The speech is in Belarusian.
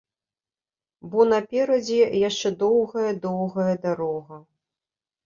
Бо наперадзе яшчэ доўгая, доўгая дарога.